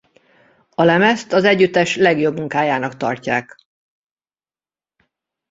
A lemezt az együttes legjobb munkájának tartják.